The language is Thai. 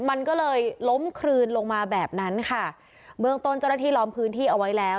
มันก็เลยล้มคลืนลงมาแบบนั้นค่ะเบื้องต้นเจ้าหน้าที่ล้อมพื้นที่เอาไว้แล้ว